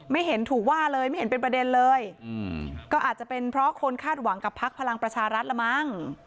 ไม่เห็นถูกว่าเลยไม่เห็นเป็นประเด็นเลยก็อาจจะเป็นเพราะคนคาดหวังกับพักพลังประชารัฐละมั้ง